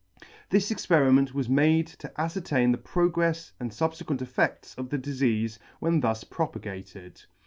This experiment was made to afcertain the progrefs and fub fequent effects of the difeafe when thus propagated.